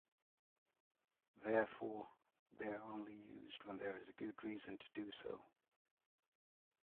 Therefore they are only used when there is a good reason to do so.